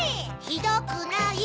ひどくない！